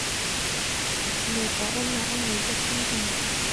Nhờ có em mà anh lấy lại được tinh thần